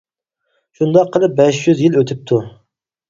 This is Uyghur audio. شۇنداق قىلىپ بەش يۈز يىل ئۆتۈپتۇ.